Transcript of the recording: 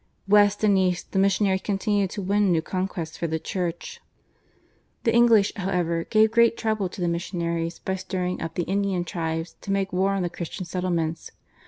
West and east the missionaries continued to win new conquests for the Church. The English, however, gave great trouble to the missionaries by stirring up the Indian tribes to make war on the Christian settlements.